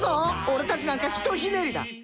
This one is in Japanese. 俺たちなんかひとひねりだ。